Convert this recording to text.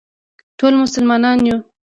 ټول مسلمانان یو